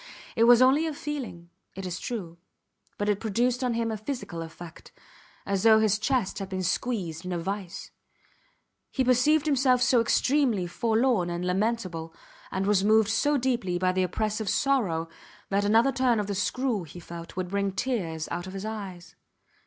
It was only a feeling, it is true, but it produced on him a physical effect, as though his chest had been squeezed in a vice. He perceived himself so extremely forlorn and lamentable, and was moved so deeply by the oppressive sorrow, that another turn of the screw, he felt, would bring tears out of his eyes.